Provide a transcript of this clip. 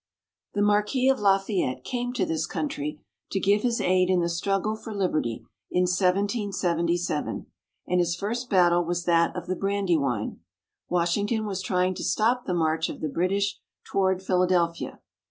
The Marquis of Lafayette came to this country to give his aid in the struggle for liberty in 1777, and his first battle was that of the Brandywine. Washington was trying to stop the march of the British toward Philadelphia.